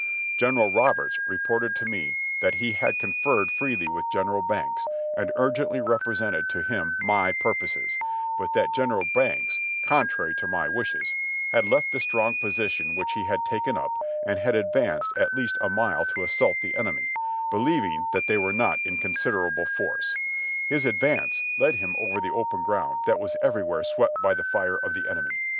General Roberts reported to me that he had con ferred freely with General Banks, and urgently represented to him my purposes, but that General Banks, contrary to my wishes, jiad left the strong position which he had taken up and had ad vanced at least a mile to assault the enemy, believing that they were not in considerable force. His advance led him over the open ground that was everywhere swept by the fire of the enemy.